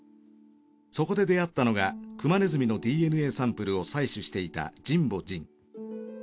そこで出会ったのがクマネズミのＤＮＡサンプルを採取していた神保仁。